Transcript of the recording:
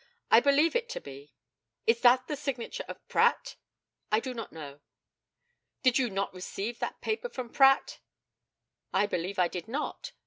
I believe it to be. Is that the signature of Pratt? I do not know. Did you not receive that paper from Pratt? I believe I did not.